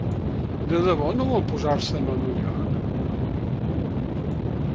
De debò no vol posar-se en el meu lloc?